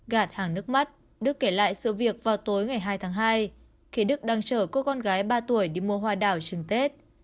gạt hàng nước mắt đức kể lại sự việc vào tối ngày hai tháng hai khi đức đang chở cô con gái ba tuổi đi mua hoa đảo trừng tết